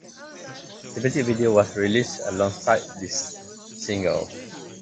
The music video was released alongside the single.